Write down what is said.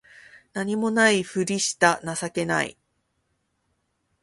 何も無いふりした情けない